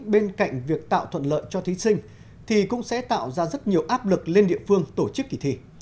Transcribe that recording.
bên cạnh việc tạo thuận lợi cho thí sinh thì cũng sẽ tạo ra rất nhiều áp lực lên địa phương tổ chức kỳ thi